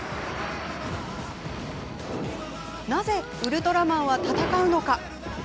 なぜウルトラマンは戦うのか？